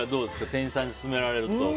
店員さんに勧められると。